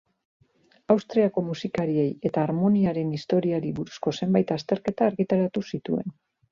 Austriako musikariei eta harmoniaren historiari buruzko zenbait azterketa argitaratu zituen.